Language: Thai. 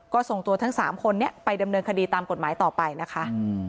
ก็ส่งตัวทั้ง๓คนนี้ไปดำเนินคดีตามกฎหมายต่อไปนะคะ